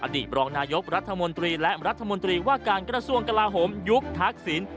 ตบรองนายกรัฐมนตรีและรัฐมนตรีว่าการกระทรวงกลาโหมยุคทักศิลป์